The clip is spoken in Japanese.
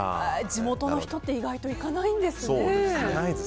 地元の人って意外と行かないんですね。